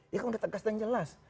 dia kan udah tegas dan jelas